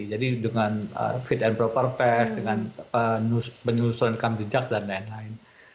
jadi dengan fit and proper test dengan penyusun kamjujak dan lain lain